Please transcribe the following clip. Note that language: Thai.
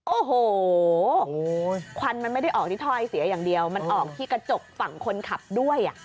โอ้โหควันมันไม่ได้ออกที่ถ้อยเสียอย่างเดียวมันออกที่กระจกฝั่งคนขับด้วย